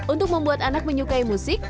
untuk membuat anak menyukai musik